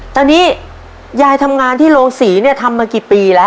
ตอนนี้ยายทำงานที่โรงศรีเนี่ยทำมากี่ปีแล้ว